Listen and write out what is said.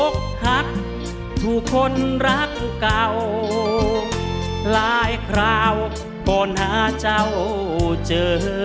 อกหักถูกคนรักเก่าหลายคราวโกนหาเจ้าเจอ